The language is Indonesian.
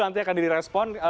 nanti akan di respon